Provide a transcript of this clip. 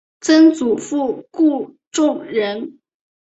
曾祖父顾仲仁。